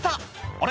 「あれ？